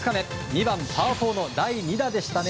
２番、パー４の第２打でしたね